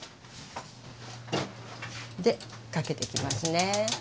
でかけていきますねはい。